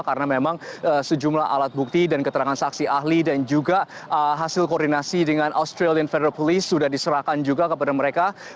karena memang sejumlah alat bukti dan keterangan saksi ahli dan juga hasil koordinasi dengan australian federal police sudah diserahkan juga kepada mereka